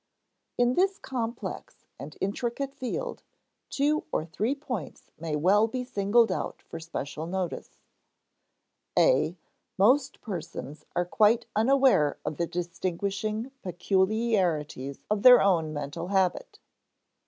In this complex and intricate field, two or three points may well be singled out for special notice. (a) Most persons are quite unaware of the distinguishing peculiarities of their own mental habit.